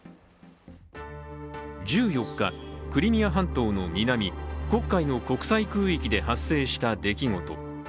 １４日、クリミア半島の南黒海の国際空域で発生した出来事。